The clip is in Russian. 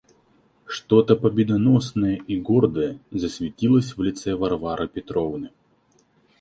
Что-то победоносное и гордое засветилось в лице Варвары Петровны.